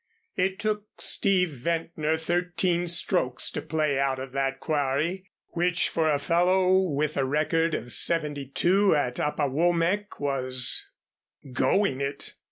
It took Steve Ventnor thirteen strokes to play out of that quarry, which, for a fellow with a record of seventy two at Apawomeck, was "going it."